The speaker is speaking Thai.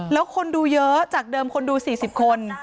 แล้วคนดูเยอะจากเดิมคนดู๔๐คน